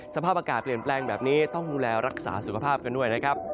สภาพอากาศเปลี่ยนแปลงแบบนี้ต้องดูแลรักษาสุขภาพกันด้วยนะครับ